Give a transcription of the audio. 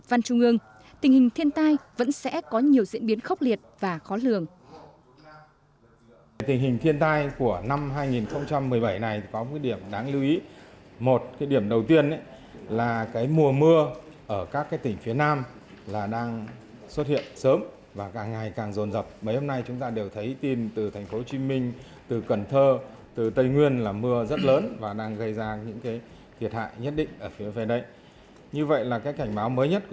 ban chỉ đạo trung ương tình hình thiên tai vẫn sẽ có nhiều diễn biến khốc liệt và khó lường